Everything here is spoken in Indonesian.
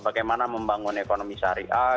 bagaimana membangun ekonomi sehari hari